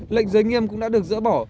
lệnh giới nghiêm cũng đã được dỡ bỏ